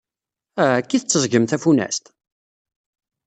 Ah, akka i tetteẓẓgem tafunast?